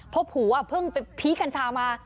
เพราะผัวเพิ่งไปพีคกัญชามา